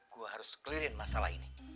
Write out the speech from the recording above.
gue harus clear in masalah ini